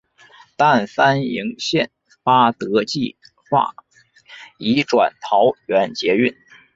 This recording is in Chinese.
但三莺线八德计画移转桃园捷运。